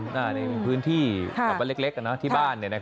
มีพื้นที่เล็กในที่บ้าน